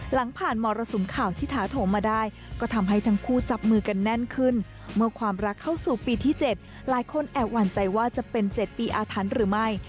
หลังผ่านมรสุมข่าวที่ท้าโถมมาได้ก็ทำให้ทั้งคู่จับมือกันแน่นขึ้นเมื่อความรักเข้าสู่ปีที่๗หลายคนแอบหวั่นใจว่าจะเป็น๗ปีอาถรรพ์หรือไม่